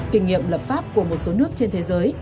kinh nghiệm lập pháp của một số nước trên thế giới